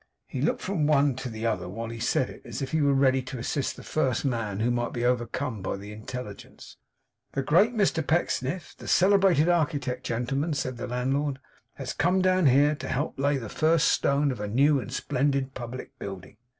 He looked from one to the other while he said it, as if he were ready to assist the first man who might be overcome by the intelligence. 'The great Mr Pecksniff, the celebrated architect, gentlemen.' said the landlord, 'has come down here, to help to lay the first stone of a new and splendid public building.